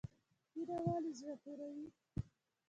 کینه ولې زړه توروي؟